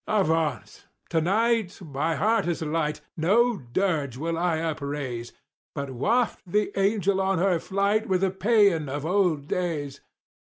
"Avaunt! to night my heart is light. No dirge will I upraise, But waft the angel on her flight with a Paean of old days!